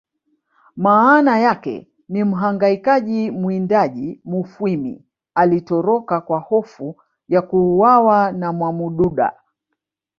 maana yake ni mhangaikaji mwindaji Mufwimi alitoroka kwa hofu ya kuuawa na mwamududa